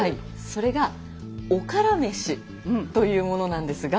それが「おからめし」というものなんですが。